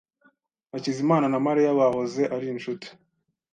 Hakizimana na Mariya bahoze ari inshuti.